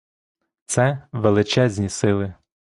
Це — величезні сили.